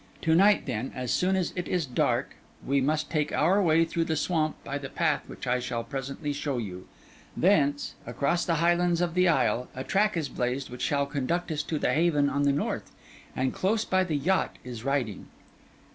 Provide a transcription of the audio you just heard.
To night, then, as soon as it is dark, we must take our way through the swamp by the path which I shall presently show you; thence, across the highlands of the isle, a track is blazed, which shall conduct us to the haven on the north; and close by the yacht is riding.